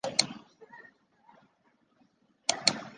重要事件及趋势重要人物